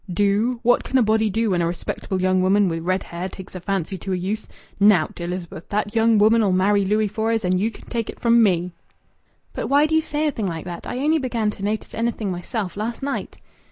"Do? What can a body do when a respectable young woman wi' red hair takes a fancy to a youth? Nowt, Elizabeth. That young woman'll marry Louis Fores, and ye can take it from me." "But why do you say a thing like that? I only began to notice anything myself last night."